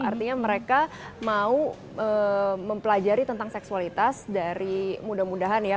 artinya mereka mau mempelajari tentang seksualitas dari mudah mudahan ya